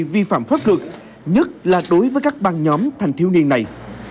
vi phạm pháp luật nhất là đối với các băng nhóm thanh tiếu niên này